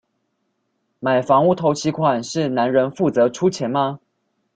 買房屋頭期款是男人負責出錢嗎？